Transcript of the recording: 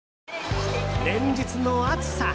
連日の暑さ。